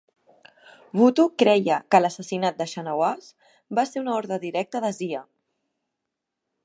Bhutto creia que l'assassinat de Shahnawaz va ser una ordre directa de Zia.